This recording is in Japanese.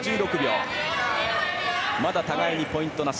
まだ互いにポイントなし。